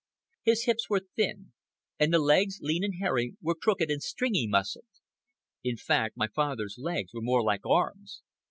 His hips were thin; and the legs, lean and hairy, were crooked and stringy muscled. In fact, my father's legs were more like arms.